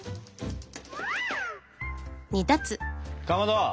かまど！